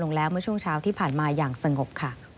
ลงแล้วช่วงเช้าที่ผ่านมาอย่างสงบ